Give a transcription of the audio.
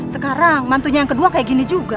sekarang mantunya yang kedua kayak gini juga